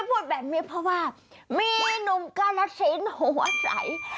พูดแบบนี้เพราะว่ามีหนุ่มกาลสินหัวใส